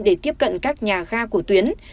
để tiếp cận các nhà ga của tuyến